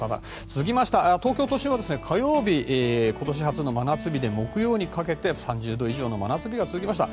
東京都心は火曜日今年初の真夏日で木曜にかけて３０度以上の真夏日が続きました。